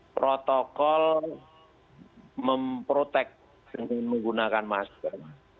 protokol memprotek menggunakan masker